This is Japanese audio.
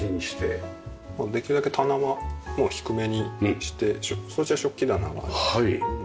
できるだけ棚はもう低めにしてそちら食器棚なんですけども。